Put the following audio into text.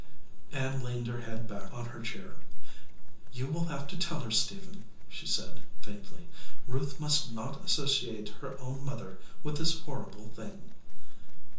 Ann leaned her head back on her chair. "You will have to tell her, Stephen," she said, faintly. "Ruth must not associate her own mother with this horrible thing."